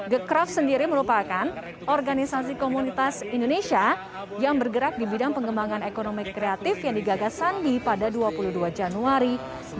gecrafts sendiri merupakan organisasi komunitas indonesia yang bergerak di bidang pengembangan ekonomi kreatif yang digagas sandi pada dua puluh dua januari dua ribu sembilan belas